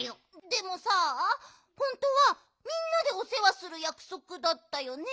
でもさほんとうはみんなでおせわするやくそくだったよね？